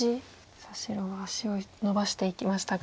白は足をのばしていきましたが。